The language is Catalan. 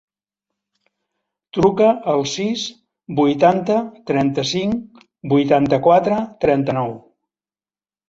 Truca al sis, vuitanta, trenta-cinc, vuitanta-quatre, trenta-nou.